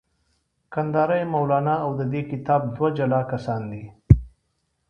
کندهاری مولانا او د دې کتاب دوه جلا کسان دي.